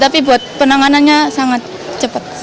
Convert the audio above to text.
tapi buat penanganannya sangat cepat